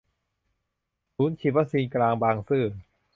ศูนย์ฉีดวัคซีนกลางบางซื่อ